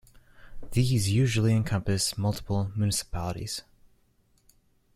These usually encompass multiple municipalities.